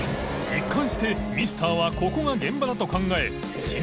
祕豐咾靴ミスターはここが現場だと考え翰［走］